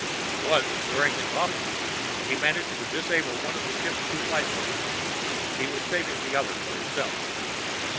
Once, during his off time, he managed to disable one of the ship's two lifeboats. He was saving the other for himself.